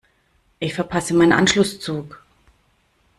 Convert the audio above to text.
Ich verpasse meinen Anschlusszug.